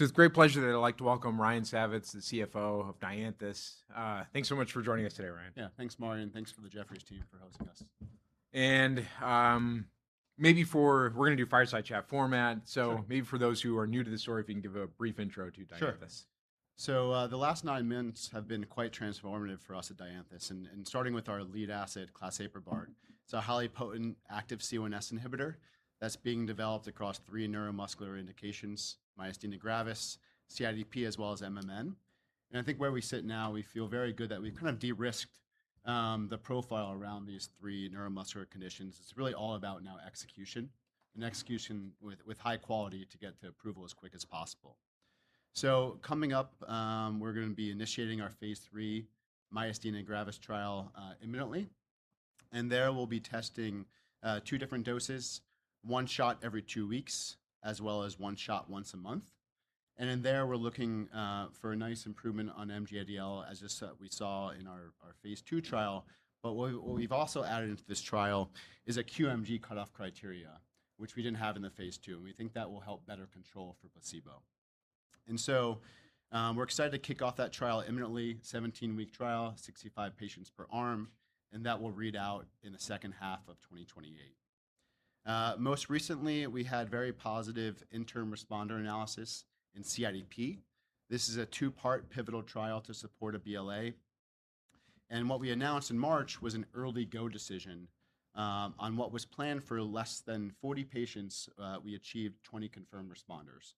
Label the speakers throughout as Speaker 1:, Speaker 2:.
Speaker 1: It's a great pleasure that I'd like to welcome Ryan Savitz, the CFO of Dianthus. Thanks so much for joining us today, Ryan.
Speaker 2: Yeah. Thanks, Maury, and thanks to the Jefferies team for hosting us.
Speaker 1: We're going to do Fireside Chat format. Maybe for those who are new to the story, if you can give a brief intro to Dianthus.
Speaker 2: Sure. The last nine months have been quite transformative for us at Dianthus Therapeutics, starting with our lead asset claseprubart. It's a highly potent active C1s inhibitor that's being developed across three neuromuscular indications, myasthenia gravis, CIDP, as well as MMN. I think where we sit now, we feel very good that we've de-risked the profile around these three neuromuscular conditions. It's really all about now execution with high quality to get to approval as quick as possible. Coming up, we're going to be initiating our phase III myasthenia gravis trial imminently, there we'll be testing two different doses, one shot every two weeks, as well as one shot once a month. In there, we're looking for a nice improvement on MG-ADL, as we saw in our phase II trial. What we've also added into this trial is a QMG cutoff criteria, which we didn't have in the phase II, and we think that will help better control for placebo. We're excited to kick off that trial imminently, 17-week trial, 65 patients per arm, and that will read out in the second half of 2028. Most recently, we had very positive interim responder analysis in CIDP. This is a two-part pivotal trial to support a BLA. What we announced in March was an early go decision on what was planned for less than 40 patients, we achieved 20 confirmed responders.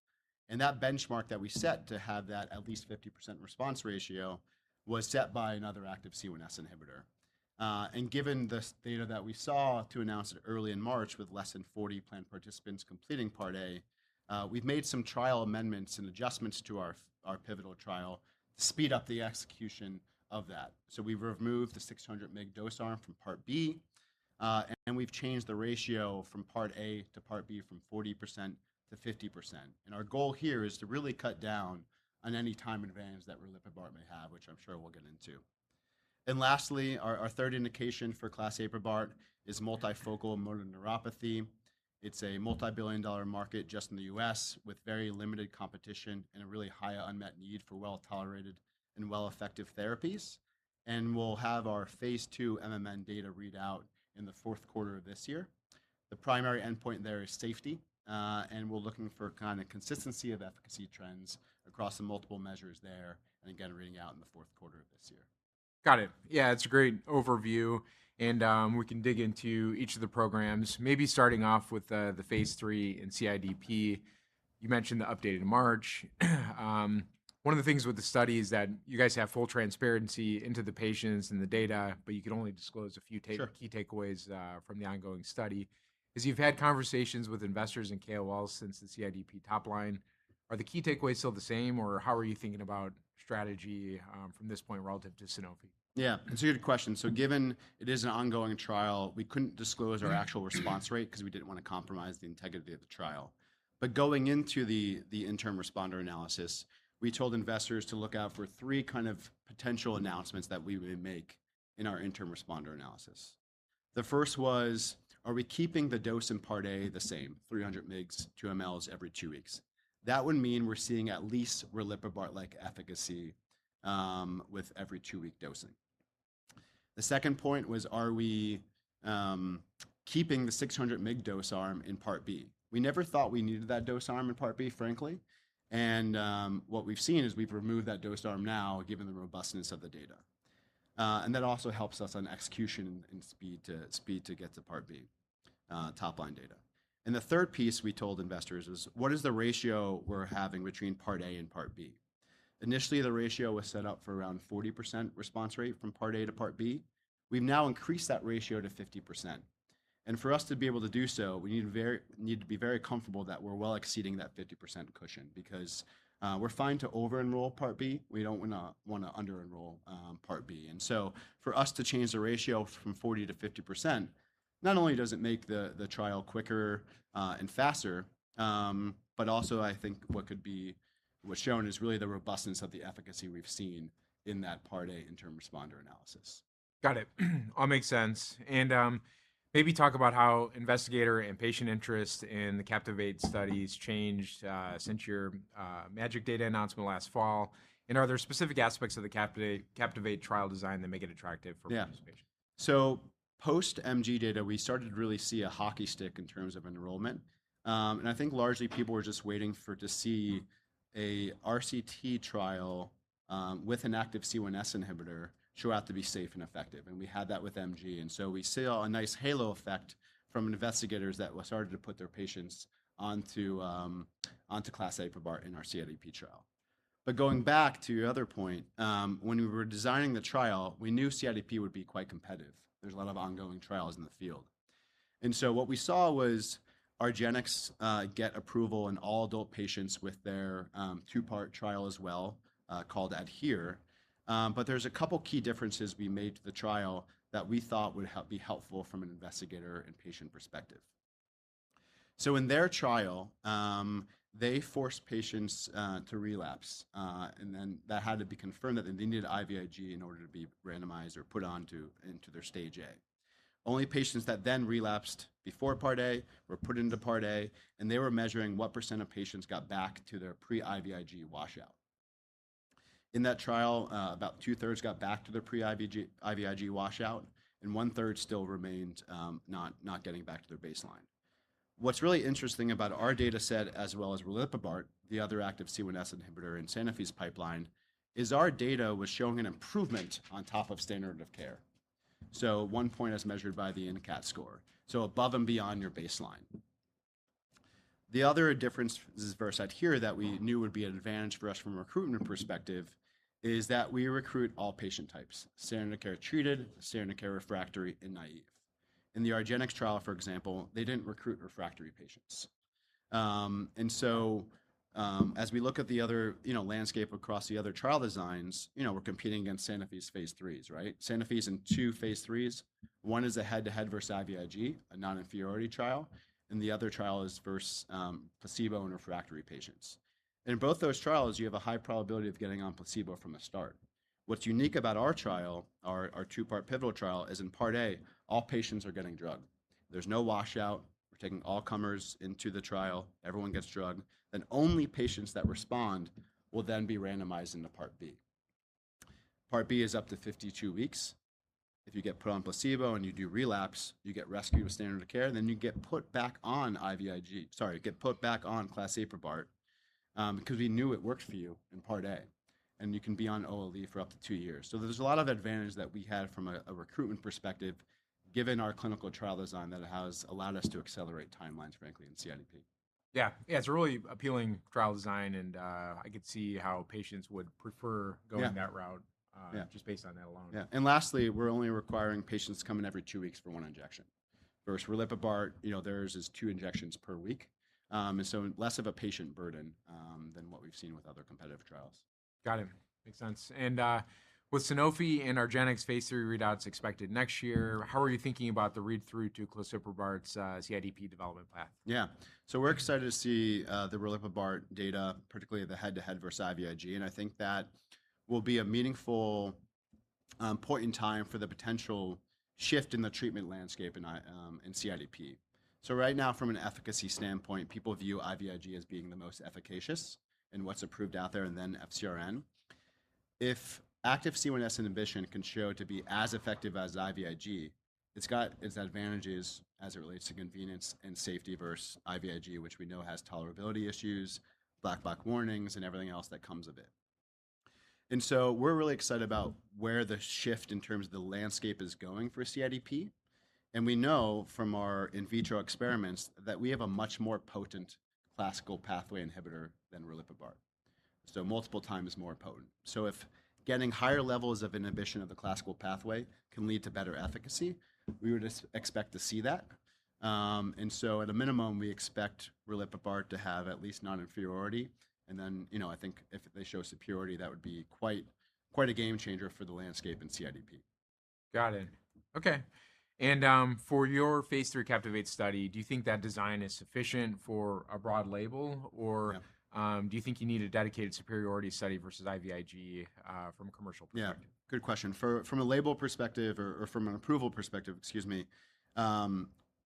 Speaker 2: That benchmark that we set to have that at least 50% response ratio was set by another active C1s inhibitor. Given this data that we saw to announce it early in March with less than 40 planned participants completing part A, we've made some trial amendments and adjustments to our pivotal trial to speed up the execution of that. We've removed the 600 mg dose arm from part B, and we've changed the ratio from part A to part B from 40% to 50%. Our goal here is to really cut down on any time advantage that riliprubart may have, which I'm sure we'll get into. Lastly, our third indication for claseprubart is multifocal motor neuropathy. It's a multibillion-dollar market just in the U.S. with very limited competition and a really high unmet need for well-tolerated and well-effective therapies. We'll have our phase II MMN data readout in the fourth quarter of this year. The primary endpoint there is safety, and we're looking for consistency of efficacy trends across the multiple measures there, and again, reading out in the fourth quarter of this year.
Speaker 1: Got it. It's a great overview, we can dig into each of the programs, maybe starting off with the phase III in CIDP. You mentioned the update in March. One of the things with the study is that you guys have full transparency into the patients and the data, you could only disclose a few.
Speaker 2: Sure
Speaker 1: Key takeaways from the ongoing study. As you've had conversations with investors and KOLs since the CIDP top line, are the key takeaways still the same, or how are you thinking about strategy from this point relative to Sanofi?
Speaker 2: Yeah. It's a good question. Given it is an ongoing trial, we couldn't disclose our actual response rate because we didn't want to compromise the integrity of the trial. Going into the interim responder analysis, we told investors to look out for three potential announcements that we would make in our interim responder analysis. The first was, are we keeping the dose in part A the same, 300 mgs, two mls every two weeks? That would mean we're seeing at least riliprubart-like efficacy with every two-week dosing. The second point was, are we keeping the 600-mg dose arm in part B? We never thought we needed that dose arm in part B, frankly. What we've seen is we've removed that dose arm now, given the robustness of the data. That also helps us on execution and speed to get to part B top-line data. The third piece we told investors is what is the ratio we're having between part A and part B? Initially, the ratio was set up for around 40% response rate from part A to part B. We've now increased that ratio to 50%. For us to be able to do so, we need to be very comfortable that we're well exceeding that 50% cushion because we're fine to over-enroll part B. We don't want to under-enroll part B. For us to change the ratio from 40% to 50%, not only does it make the trial quicker and faster, but also I think what's shown is really the robustness of the efficacy we've seen in that part A interim responder analysis.
Speaker 1: Got it. All makes sense. Maybe talk about how investigator and patient interest in the CAPTIVATE study has changed since your MaGic data announcement last fall. Are there specific aspects of the CAPTIVATE trial design that make it attractive for.
Speaker 2: Yeah
Speaker 1: patient participation?
Speaker 2: Post-gMG data, we started to really see a hockey stick in terms of enrollment. I think largely people were just waiting for to see a RCT trial with an active C1s inhibitor show out to be safe and effective, and we had that with gMG. We saw a nice halo effect from investigators that started to put their patients onto claseprubart in our CIDP trial. Going back to your other point, when we were designing the trial, we knew CIDP would be quite competitive. There's a lot of ongoing trials in the field. What we saw was argenx get approval in all adult patients with their 2-part trial as well, called ADHERE. There's a couple of key differences we made to the trial that we thought would be helpful from an investigator and patient perspective. In their trial, they forced patients to relapse, and then that had to be confirmed that they needed IVIg in order to be randomized or put onto their stage A. Only patients that relapsed before part A were put into part A, and they were measuring what percent of patients got back to their pre-Ig washout. In that trial, about two-thirds got back to their pre-Ig washout, and 1/3 Still remained not getting back to their baseline. What's really interesting about our data set as well as riliprubart, the other active C1s inhibitor in Sanofi's pipeline, is our data was showing an improvement on top of standard of care. One point as measured by the INCAT score, above and beyond your baseline. The other difference versus ADHERE that we knew would be an advantage for us from a recruitment perspective is that we recruit all patient types, standard of care treated, standard of care refractory, and naive. In the argenx trial, for example, they didn't recruit refractory patients. As we look at the other landscape across the other trial designs, we're competing against Sanofi's phase IIIs, right? Sanofi's in two phase IIIs. One is a head-to-head versus IVIg, a non-inferiority trial, and the other trial is versus placebo in refractory patients. In both those trials, you have a high probability of getting on placebo from the start. What's unique about our trial, our two-part pivotal trial, is in part A, all patients are getting drugged. There's no washout. We're taking all comers into the trial. Everyone gets drugged. Only patients that respond will then be randomized into part B. Part B is up to 52 weeks. If you get put on placebo, and you do relapse, you get rescued with standard of care, then you get put back on claseprubart because we knew it worked for you in Part A. You can be on OLE for up to two years. There's a lot of advantage that we had from a recruitment perspective, given our clinical trial design that has allowed us to accelerate timelines, frankly, in CIDP.
Speaker 1: Yeah. It's a really appealing trial design, and I could see how patients would prefer going that route.
Speaker 2: Yeah
Speaker 1: just based on that alone.
Speaker 2: Yeah. Lastly, we're only requiring patients to come in every two weeks for one injection. Versus riliprubart, theirs is two injections per week. Less of a patient burden than what we've seen with other competitive trials.
Speaker 1: Got it. Makes sense. With Sanofi and argenx phase III readouts expected next year, how are you thinking about the read-through to claseprubart's CIDP development path?
Speaker 2: Yeah. We're excited to see the riliprubart data, particularly the head-to-head versus IVIg, and I think that will be a meaningful point in time for the potential shift in the treatment landscape in CIDP. Right now, from an efficacy standpoint, people view IVIg as being the most efficacious in what's approved out there and then FcRn. If active C1s inhibition can show to be as effective as IVIg, it's got its advantages as it relates to convenience and safety versus IVIg, which we know has tolerability issues, black box warnings, and everything else that comes with it. We're really excited about where the shift in terms of the landscape is going for CIDP, and we know from our in vitro experiments that we have a much more potent classical pathway inhibitor than riliprubart. Multiple times more potent. If getting higher levels of inhibition of the classical pathway can lead to better efficacy, we would expect to see that. At a minimum, we expect riliprubart to have at least non-inferiority. I think if they show superiority, that would be quite a game-changer for the landscape in CIDP.
Speaker 1: Got it. Okay. For your phase III CAPTIVATE study, do you think that design is sufficient for a broad label?
Speaker 2: Yeah
Speaker 1: Do you think you need a dedicated superiority study versus IVIg from a commercial perspective?
Speaker 2: Yeah. Good question. From a label perspective or from an approval perspective, excuse me,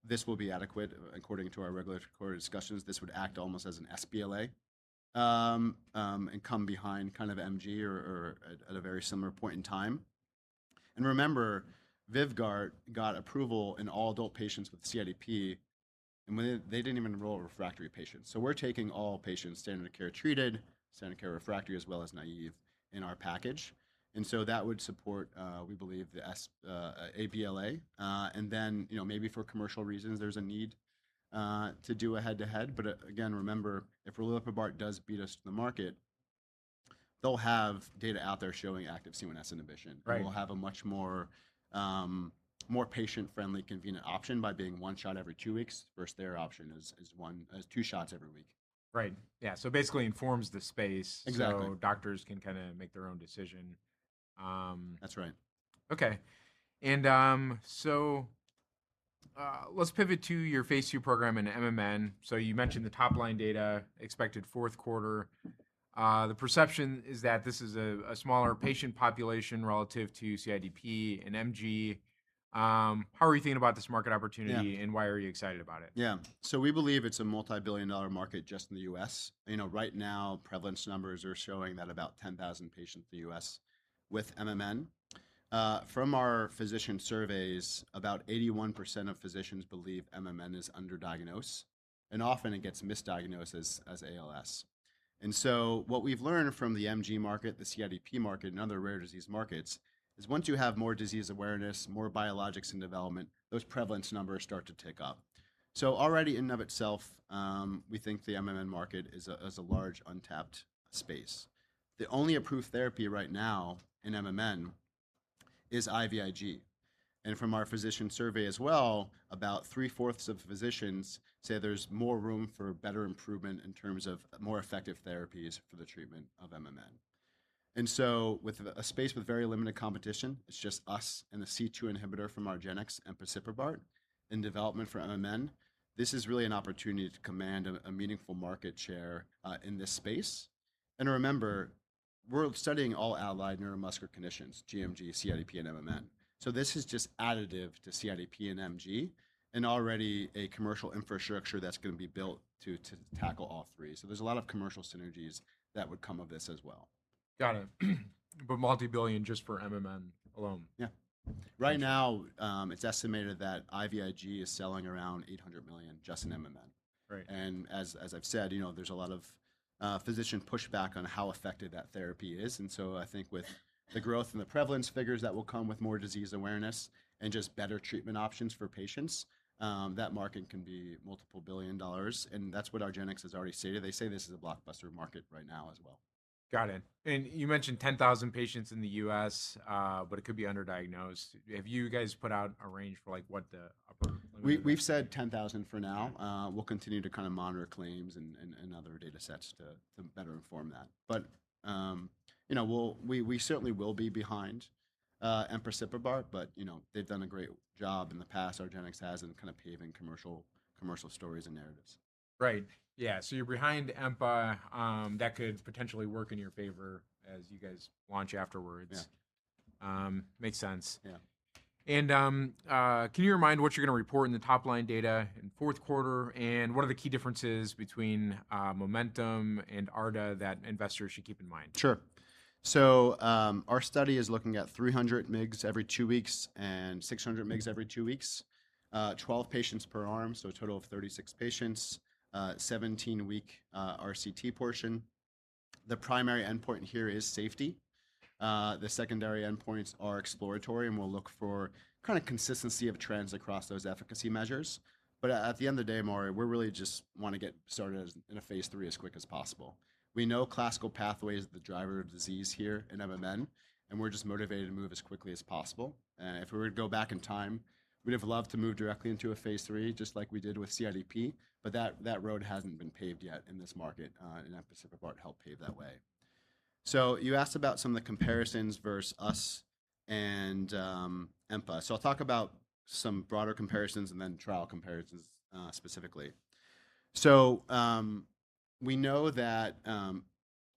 Speaker 2: this will be adequate according to our regulatory discussions. This would act almost as an sBLA, and come behind kind of MG or at a very similar point in time. Remember, VYVGART got approval in all adult patients with CIDP, and they didn't even enroll refractory patients. We're taking all patients, standard of care treated, standard of care refractory, as well as naive in our package. That would support, we believe, the BLA. Then, maybe for commercial reasons, there's a need to do a head-to-head. Again, remember, if riliprubart does beat us to the market, they'll have data out there showing active C1s inhibition.
Speaker 1: Right.
Speaker 2: We'll have a much more patient-friendly, convenient option by being one shot every two weeks, versus their option is two shots every week.
Speaker 1: Right. Yeah. Basically informs the space.
Speaker 2: Exactly
Speaker 1: Doctors can kind of make their own decision.
Speaker 2: That's right.
Speaker 1: Okay. Let's pivot to your phase II program in MMN. You mentioned the top-line data expected fourth quarter. The perception is that this is a smaller patient population relative to CIDP and MG. How are we thinking about this market opportunity?
Speaker 2: Yeah
Speaker 1: Why are you excited about it?
Speaker 2: We believe it's a multibillion-dollar market just in the U.S. Right now, prevalence numbers are showing that about 10,000 patients in the U.S. with MMN. From our physician surveys, about 81% of physicians believe MMN is underdiagnosed, and often it gets misdiagnosed as ALS. What we've learned from the MG market, the CIDP market, and other rare disease markets, is once you have more disease awareness, more biologics, and development, those prevalence numbers start to tick up. Already in and of itself, we think the MMN market is a large untapped space. The only approved therapy right now in MMN is IVIg. From our physician survey as well, about three-fourths of physicians say there's more room for better improvement in terms of more effective therapies for the treatment of MMN. With a space with very limited competition, it's just us and the C2 inhibitor from argenx and empasiprubart in development for MMN. This is really an opportunity to command a meaningful market share in this space. Remember, we're studying all allied neuromuscular conditions, gMG, CIDP, and MMN. This is just additive to CIDP and MG, and already a commercial infrastructure that's going to be built to tackle all three. There's a lot of commercial synergies that would come of this as well.
Speaker 1: Got it. $multi-billion just for MMN alone.
Speaker 2: Yeah. Right now, it's estimated that IVIg is selling around $800 million just in MMN.
Speaker 1: Right.
Speaker 2: As I've said, there's a lot of physician pushback on how effective that therapy is. I think with the growth and the prevalence figures that will come with more disease awareness and just better treatment options for patients, that market can be multiple billion dollars, and that's what argenx has already stated. They say this is a blockbuster market right now as well.
Speaker 1: Got it. You mentioned 10,000 patients in the U.S., but it could be underdiagnosed. Have you guys put out a range for what the upper limit is?
Speaker 2: We've said 10,000 for now. We'll continue to monitor claims and other data sets to better inform that. We certainly will be behind empasiprubart, but they've done a great job in the past, argenx has, in paving commercial stories and narratives.
Speaker 1: Right. Yeah. You're behind Empa. That could potentially work in your favor as you guys launch afterwards.
Speaker 2: Yeah.
Speaker 1: Makes sense.
Speaker 2: Yeah.
Speaker 1: Can you remind what you're going to report in the top-line data in fourth quarter, and what are the key differences between MoMeNtum and ARDA that investors should keep in mind?
Speaker 2: Sure. Our study is looking at 300 mgs every two weeks and 600 mgs every two weeks. 12 patients per arm, a total of 36 patients. 17-week RCT portion. The primary endpoint here is safety. The secondary endpoints are exploratory, we'll look for consistency of trends across those efficacy measures. At the end of the day, Maury, we really just want to get started in a phase III as quick as possible. We know classical pathway is the driver of disease here in MMN, we're just motivated to move as quickly as possible. If we were to go back in time, we'd have loved to move directly into a phase III, just like we did with CIDP, that road hasn't been paved yet in this market, Empasiprubart helped pave that way. You asked about some of the comparisons versus us and Empa. I'll talk about some broader comparisons and then trial comparisons specifically. We know that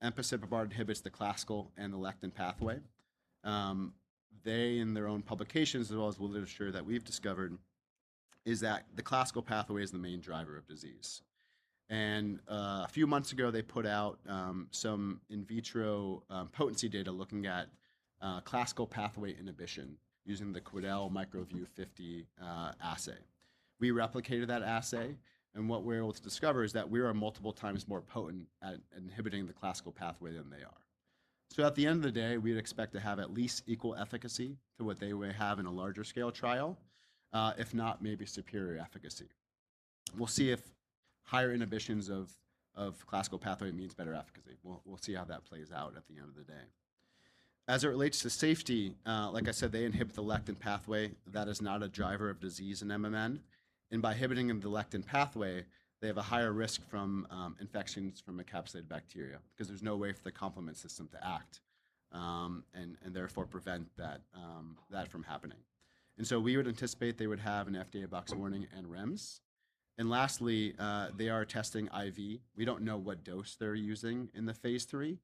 Speaker 2: Empasiprubart inhibits the classical and the lectin pathway. They, in their own publications, as well as the literature that we've discovered, is that the classical pathway is the main driver of disease. A few months ago, they put out some in vitro potency data looking at classical pathway inhibition using the Quidel MicroVue CH50 assay. We replicated that assay, and what we're able to discover is that we are multiple times more potent at inhibiting the classical pathway than they are. At the end of the day, we'd expect to have at least equal efficacy to what they would have in a larger scale trial. If not, maybe superior efficacy. We'll see if higher inhibitions of classical pathway means better efficacy. We'll see how that plays out at the end of the day. As it relates to safety, like I said, they inhibit the lectin pathway. That is not a driver of disease in MMN. By inhibiting the lectin pathway, they have a higher risk from infections from encapsulated bacteria because there's no way for the complement system to act, and therefore prevent that from happening. We would anticipate they would have an FDA box warning and REMS. Lastly, they are testing IV. We don't know what dose they're using in the phase III.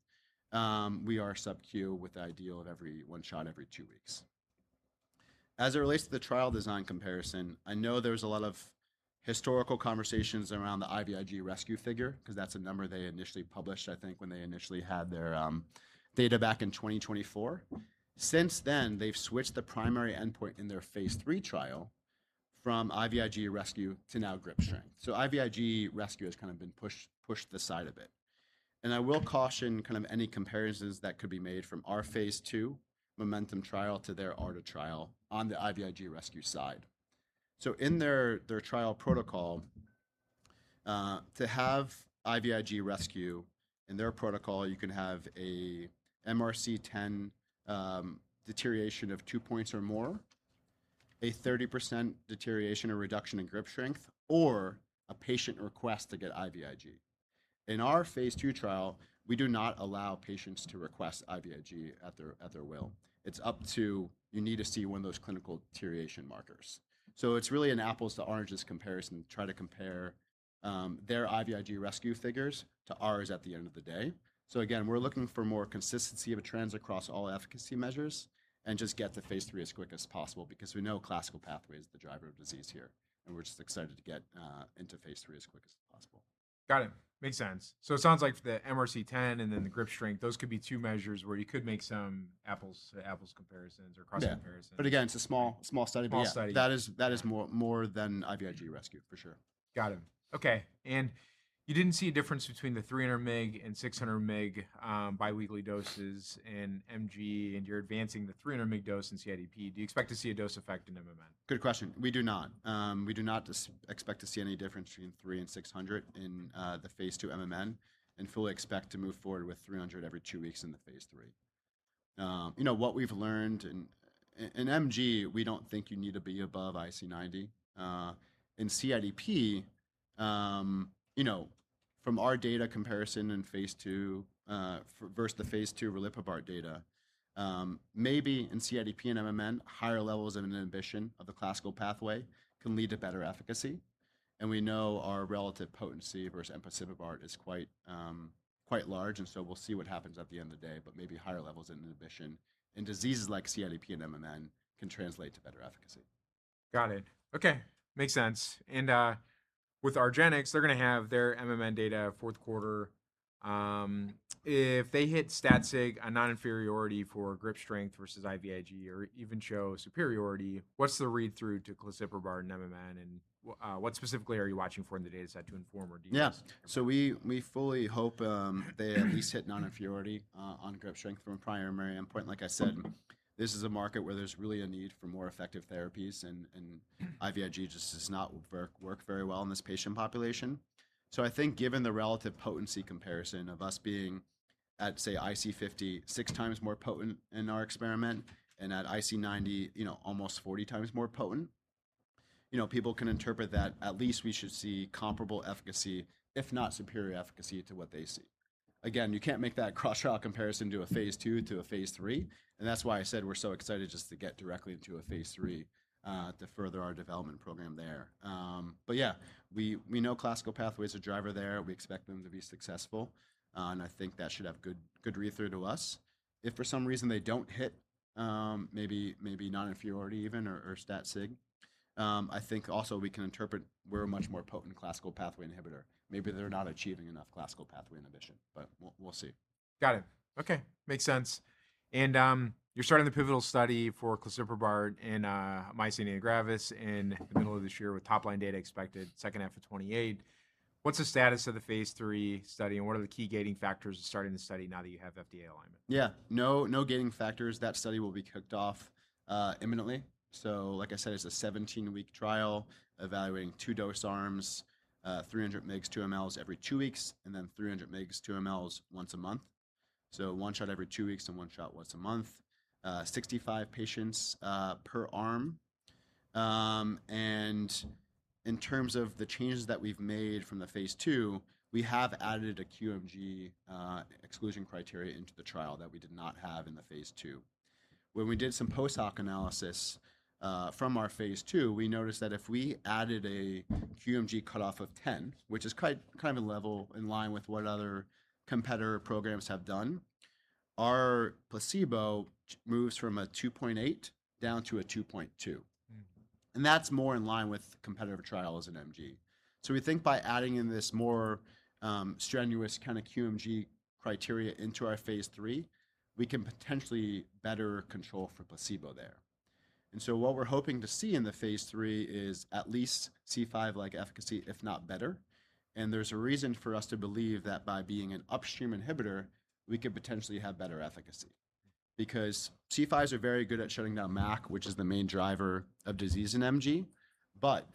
Speaker 2: We are sub-Q with the ideal of every one shot every two weeks. As it relates to the trial design comparison, I know there's a lot of historical conversations around the IVIg rescue figure, because that's a number they initially published, I think when they initially had their data back in 2024. Since then, they've switched the primary endpoint in their phase III trial from IVIg rescue to now grip strength. IVIg rescue has kind of been pushed to the side a bit. I will caution any comparisons that could be made from our phase II MoMeNtum trial to their ADHERE trial on the IVIg rescue side. In their trial protocol, to have IVIg rescue in their protocol, you can have a MRC deterioration of 2 points or more, a 30% deterioration or reduction in grip strength, or a patient request to get IVIg. In our phase II trial, we do not allow patients to request IVIg at their will. It's up to you need to see one of those clinical deterioration markers. It's really an apples to oranges comparison to try to compare their IVIg rescue figures to ours at the end of the day. Again, we're looking for more consistency of trends across all efficacy measures and just get to phase III as quick as possible because we know classical pathway is the driver of disease here, and we're just excited to get into phase III as quick as possible.
Speaker 1: Got it. Makes sense. It sounds like the MRC and then the grip strength, those could be two measures where you could make some apples to apples comparisons or cross comparisons.
Speaker 2: Yeah. Again, it's a small study.
Speaker 1: Small study.
Speaker 2: Yeah, that is more than IVIg rescue, for sure.
Speaker 1: Got it. Okay. You didn't see a difference between the 300 mg and 600 mg biweekly doses in MG, and you're advancing the 300 mg dose in CIDP. Do you expect to see a dose effect in MMN?
Speaker 2: Good question. We do not. We do not expect to see any difference between 300 and 600 in the phase II MMN and fully expect to move forward with 300 every two weeks in the phase III. What we've learned, in MG, we don't think you need to be above IC90. In CIDP, from our data comparison in phase II versus the phase II riliprubart data, maybe in CIDP and MMN, higher levels of an inhibition of the classical pathway can lead to better efficacy. We know our relative potency versus Empasiprubart is quite large, and so we'll see what happens at the end of the day, but maybe higher levels of inhibition in diseases like CIDP and MMN can translate to better efficacy.
Speaker 1: Got it. Okay, makes sense. With argenx, they're going to have their MMN data fourth quarter. If they hit stat sig on non-inferiority for grip strength versus IVIg or even show superiority, what's the read-through to claseprubart and MMN, and what specifically are you watching for in the data set to inform?
Speaker 2: Yeah. We fully hope they at least hit non-inferiority on grip strength from a primary endpoint. Like I said, this is a market where there's really a need for more effective therapies, and IVIg just does not work very well in this patient population. I think given the relative potency comparison of us being at, say, IC50 six times more potent in our experiment, and at IC90 almost 40 times more potent, people can interpret that at least we should see comparable efficacy, if not superior efficacy to what they see. Again, you can't make that cross-trial comparison to a phase II to a phase III, and that's why I said we're so excited just to get directly into a phase III to further our development program there. Yeah, we know classical pathway is a driver there. We expect them to be successful. I think that should have good read-through to us. If for some reason they don't hit maybe non-inferiority even or stat sig, I think also we can interpret we're a much more potent classical pathway inhibitor. Maybe they're not achieving enough classical pathway inhibition. We'll see.
Speaker 1: Got it. Okay, makes sense. You're starting the pivotal study for claseprubart and myasthenia gravis in the middle of this year with top-line data expected second half of 2028. What's the status of the phase III study, and what are the key gating factors to starting the study now that you have FDA alignment?
Speaker 2: Yeah. No gating factors. That study will be kicked off imminently. Like I said, it's a 17-week trial evaluating two dose arms, 300 mg 2 mL every two weeks, and then 300 mg 2 mL once a month. One shot every two weeks and one shot once a month. 65 patients per arm. In terms of the changes that we've made from the phase II, we have added a QMG exclusion criteria into the trial that we did not have in the phase II. When we did some post hoc analysis from our phase II, we noticed that if we added a QMG cutoff of 10, which is kind of in line with what other competitor programs have done, our placebo moves from a 2.8 down to a 2.2. That's more in line with competitive trials in MG. We think by adding in this more strenuous kind of QMG criteria into our phase III, we can potentially better control for placebo there. What we're hoping to see in the phase III is at least C5-like efficacy, if not better. There's a reason for us to believe that by being an upstream inhibitor, we could potentially have better efficacy. Because C5s are very good at shutting down MAC, which is the main driver of disease in MG, but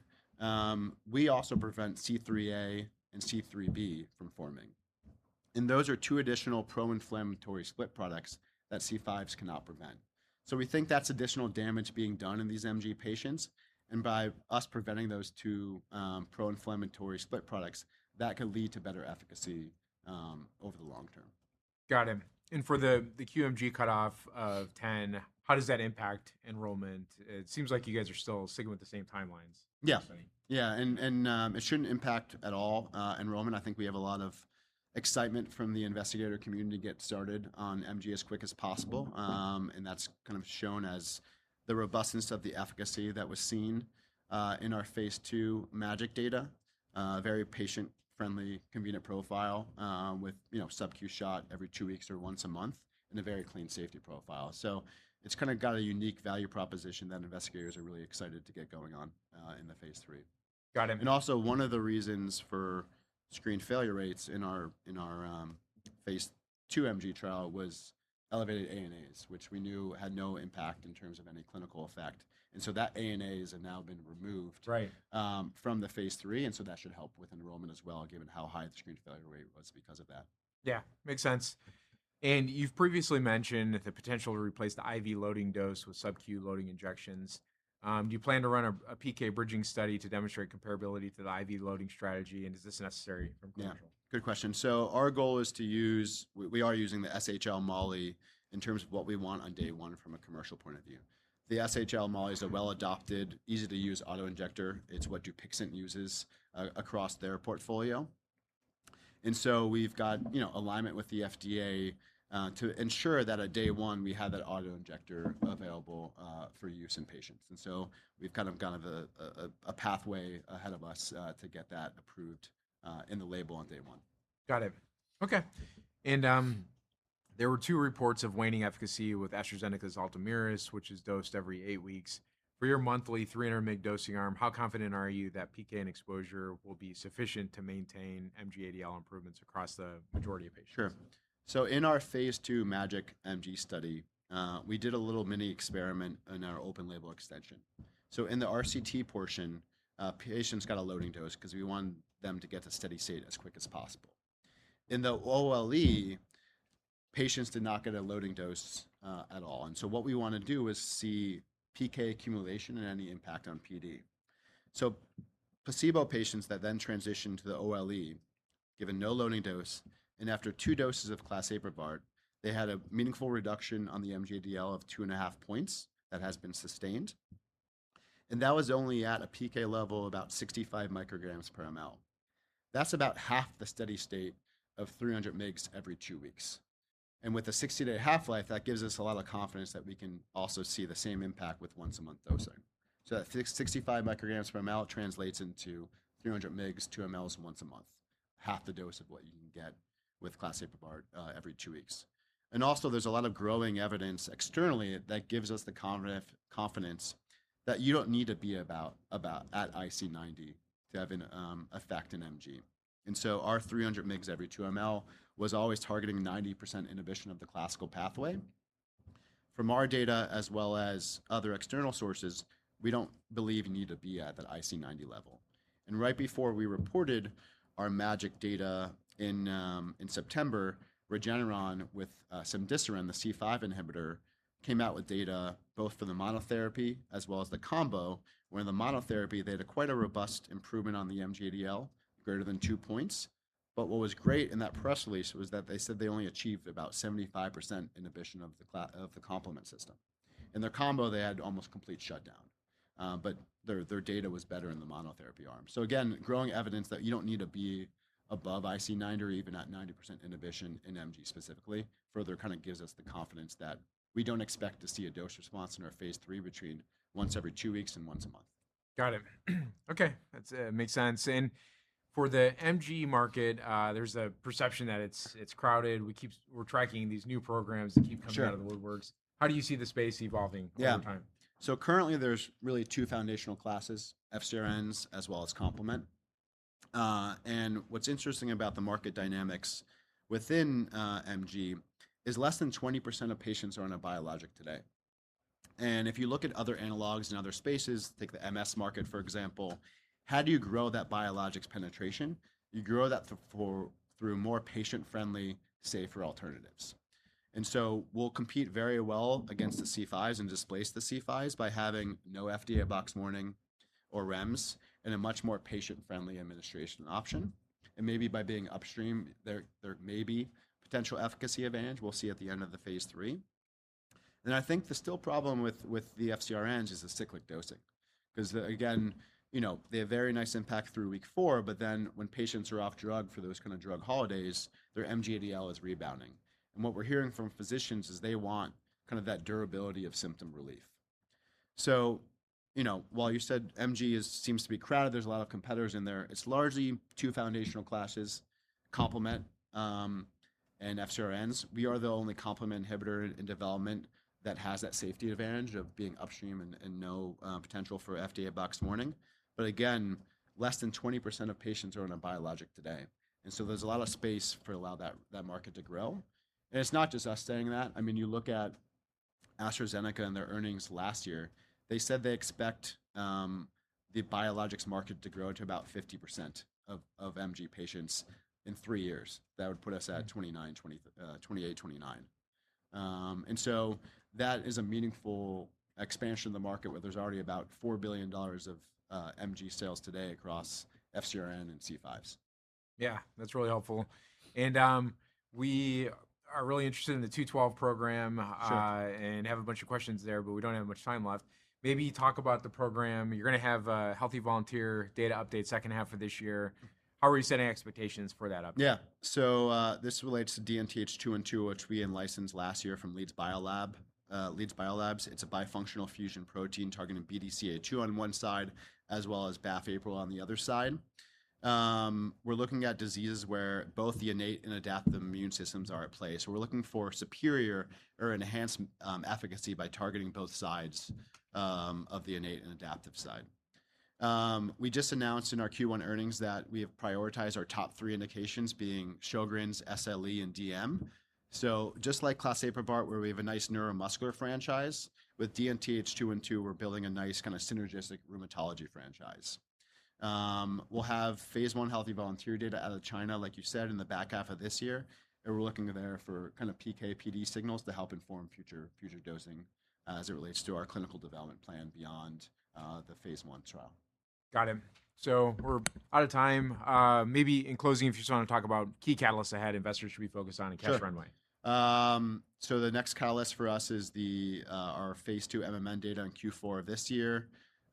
Speaker 2: we also prevent C3a and C3b from forming. Those are two additional pro-inflammatory split products that C5s cannot prevent. We think that's additional damage being done in these MG patients, and by us preventing those two pro-inflammatory split products, that could lead to better efficacy over the long term.
Speaker 1: Got it. For the QMG cutoff of 10, how does that impact enrollment? It seems like you guys are still sticking with the same timelines.
Speaker 2: Yeah. It shouldn't impact at all enrollment. I think we have a lot of excitement from the investigator community to get started on MG as quick as possible. That's kind of shown as the robustness of the efficacy that was seen in our phase II MaGic data. A very patient-friendly, convenient profile with sub-Q shot every two weeks or once a month and a very clean safety profile. It's kind of got a unique value proposition that investigators are really excited to get going on in the phase III.
Speaker 1: Got it.
Speaker 2: Also one of the reasons for screen failure rates in our phase II MG trial was elevated ANAs, which we knew had no impact in terms of any clinical effect. That ANAs have now been removed.
Speaker 1: Right
Speaker 2: From the phase III, that should help with enrollment as well, given how high the screen failure rate was because of that.
Speaker 1: Yeah. Makes sense. You've previously mentioned the potential to replace the IV loading dose with sub-Q loading injections. Do you plan to run a PK bridging study to demonstrate comparability to the IV loading strategy? Is this necessary from commercial?
Speaker 2: Yeah. Good question. We are using the SHL Molly in terms of what we want on day one from a commercial point of view. The SHL Molly is a well-adopted, easy-to-use auto-injector. It's what DUPIXENT uses across their portfolio. We've got alignment with the FDA to ensure that at day one, we have that auto-injector available for use in patients. We've kind of gone a pathway ahead of us to get that approved in the label on day one.
Speaker 1: Got it. Okay. There were two reports of waning efficacy with AstraZeneca's ULTOMIRIS, which is dosed every eight weeks. For your monthly 300 mg dosing arm, how confident are you that PK and exposure will be sufficient to maintain MG-ADL improvements across the majority of patients?
Speaker 2: Sure. In our phase II MaGic MG study, we did a little mini experiment in our open label extension. In the RCT portion, patients got a loading dose because we want them to get to steady state as quick as possible. In the OLE, patients did not get a loading dose at all. What we want to do is see PK accumulation and any impact on PD. Placebo patients that then transitioned to the OLE, given no loading dose, and after two doses of claseprubart, they had a meaningful reduction on the MG-ADL of 2.5 points that has been sustained. That was only at a PK level about 65 micrograms per mL. That's about half the steady state of 300 mg every two weeks. With a 60-day half-life, that gives us a lot of confidence that we can also see the same impact with once-a-month dosing. That 65 micrograms per mL translates into 300 mg, 2 mL once a month, half the dose of what you can get with claseprubart every two weeks. There's a lot of growing evidence externally that gives us the confidence that you don't need to be about at IC90 to have an effect in MG. Our 300 mg every 2 mL was always targeting 90% inhibition of the classical pathway. From our data as well as other external sources, we don't believe you need to be at that IC90 level. Right before we reported our MaGic data in September, Regeneron with cemdisiran, the C5 inhibitor, came out with data both for the monotherapy as well as the combo, where in the monotherapy, they had quite a robust improvement on the MG-ADL, greater than two points. What was great in that press release was that they said they only achieved about 75% inhibition of the complement system. In their combo, they had almost complete shutdown, but their data was better in the monotherapy arm. Again, growing evidence that you don't need to be above IC90 or even at 90% inhibition in MG specifically, further gives us the confidence that we don't expect to see a dose response in our phase III between once every two weeks and once a month.
Speaker 1: Got it. Okay, that makes sense. For the MG market, there's a perception that it's crowded. We're tracking these new programs that keep-
Speaker 2: Sure
Speaker 1: coming out of the woodworks. How do you see the space evolving?
Speaker 2: Yeah
Speaker 1: over time?
Speaker 2: Currently, there's really two foundational classes, FcRns as well as complement. What's interesting about the market dynamics within MG is less than 20% of patients are on a biologic today. If you look at other analogs in other spaces, take the MS market, for example, how do you grow that biologics penetration? You grow that through more patient-friendly, safer alternatives. We'll compete very well against the C5s and displace the C5s by having no FDA box warning or REMS and a much more patient-friendly administration option. Maybe by being upstream, there may be potential efficacy advantage. We'll see at the end of the phase III. I think the still problem with the FcRns is the cyclic dosing. Again, they have very nice impact through week four, but then when patients are off drug for those kind of drug holidays, their MG-ADL is rebounding. What we're hearing from physicians is they want that durability of symptom relief. While you said MG seems to be crowded, there's a lot of competitors in there, it's largely two foundational classes, complement and FcRns. We are the only complement inhibitor in development that has that safety advantage of being upstream and no potential for FDA box warning. Again, less than 20% of patients are on a biologic today, there's a lot of space for allow that market to grow. It's not just us saying that. You look at AstraZeneca and their earnings last year. They said they expect the biologics market to grow to about 50% of MG patients in three years. That would put us at 2028, 2029. That is a meaningful expansion in the market where there's already about $4 billion of MG sales today across FcRn and C5s.
Speaker 1: Yeah. That's really helpful. We are really interested in the DNTH212 program.
Speaker 2: Sure
Speaker 1: Have a bunch of questions there, but we don't have much time left. Maybe talk about the program. You're going to have healthy volunteer data update second half of this year. How are we setting expectations for that update?
Speaker 2: Yeah. This relates to DNTH212, which we in-licensed last year from Leads Biolabs. It's a bifunctional fusion protein targeting BDCA2 on one side as well as BAFF/APRIL on the other side. We're looking at diseases where both the innate and adaptive immune systems are at play. We're looking for superior or enhanced efficacy by targeting both sides of the innate and adaptive side. We just announced in our Q1 earnings that we have prioritized our top three indications being Sjögren's, SLE, and DM. Just like claseprubart, where we have a nice neuromuscular franchise, with DNTH212, we're building a nice synergistic rheumatology franchise. We'll have phase I healthy volunteer data out of China, like you said, in the back half of this year. We're looking there for PK/PD signals to help inform future dosing as it relates to our clinical development plan beyond the phase I trial.
Speaker 1: Got it. We're out of time. Maybe in closing, if you just want to talk about key catalysts ahead investors should be focused on in cash runway.
Speaker 2: Sure. The next catalyst for us is our phase II MMN data in Q4 of this year.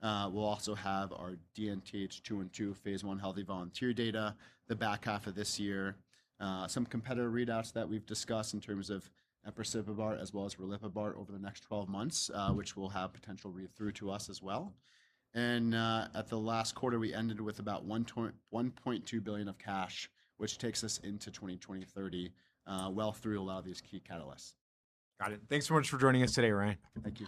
Speaker 2: We'll also have our DNTH212 phase I healthy volunteer data the back half of this year. Some competitor readouts that we've discussed in terms of Empasiprubart as well as riliprubart over the next 12 months, which will have potential read-through to us as well. At the last quarter, we ended with about $1.2 billion of cash, which takes us into 2030, well through a lot of these key catalysts.
Speaker 1: Got it. Thanks so much for joining us today, Ryan.
Speaker 2: Thank you.